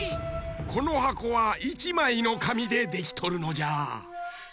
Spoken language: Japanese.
このはこは１まいのかみでできとるのじゃ。